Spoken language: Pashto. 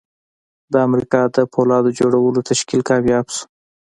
د امریکا د پولاد جوړولو تشکیل کامیاب شو